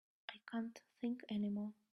I can't think any more.